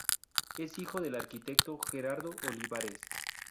Es hijo del arquitecto Gerardo Olivares.